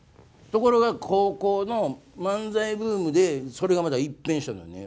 ところが高校の漫才ブームでそれがまた一変したのよね。